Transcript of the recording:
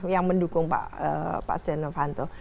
yang mendukung pak setia novanto